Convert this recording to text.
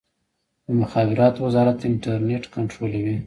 د مخابراتو وزارت انټرنیټ کنټرولوي؟